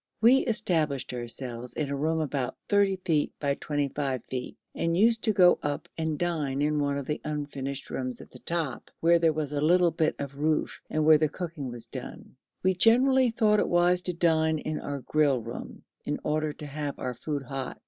We established ourselves in a room about 30 feet by 25 feet, and used to go up and dine in one of the unfinished rooms at the top where there was a little bit of roof and where the cooking was done. We generally thought it wise to dine in our grill room, in order to have our food hot.